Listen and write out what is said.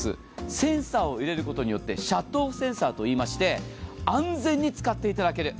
センサー入れることによって、シャットオフセンサーといいまして安全に使っていただける。